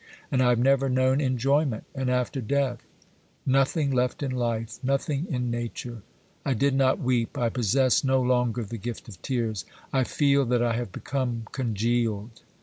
And I have never known enjoyment ! And after death. ... Nothing left in life, nothing in Nature. ... I did not weep; I possess no longer the gift of tears. I feel that I have become congealed.